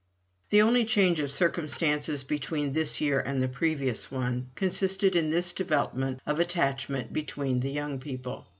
The only change of circumstances between this year and the previous one consisted in this development of attachment between the young people.